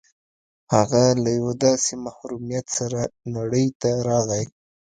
هغه له يوه داسې محروميت سره نړۍ ته راغی.